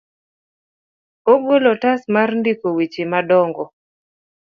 Ogolo otas mar ndiko weche madongo.